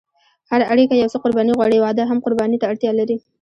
هره اړیکه یو څه قرباني غواړي، واده هم قرباني ته اړتیا لري.